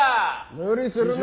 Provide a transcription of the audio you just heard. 無理するな！